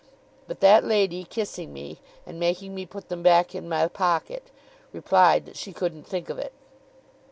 But that lady, kissing me, and making me put them back in my pocket, replied that she couldn't think of it.